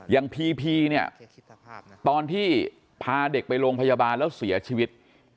พีพีเนี่ยตอนที่พาเด็กไปโรงพยาบาลแล้วเสียชีวิต